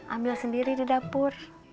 ambil sendiri di dapur